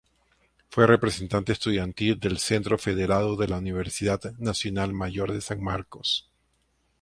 Fue representante estudiantil del Centro Federado de la Universidad Nacional Mayor de San Marcos.